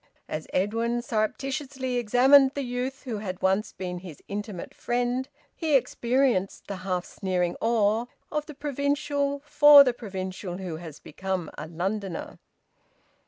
As Edwin surreptitiously examined the youth who had once been his intimate friend, he experienced the half sneering awe of the provincial for the provincial who has become a Londoner.